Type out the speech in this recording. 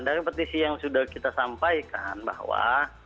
dari petisi yang sudah kita sampaikan bahwa